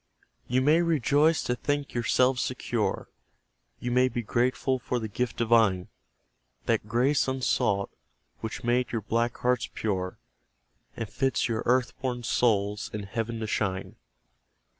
You may rejoice to think YOURSELVES secure; You may be grateful for the gift divine That grace unsought, which made your black hearts pure, And fits your earth born souls in Heaven to shine.